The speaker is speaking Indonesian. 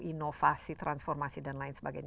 inovasi transformasi dan lain sebagainya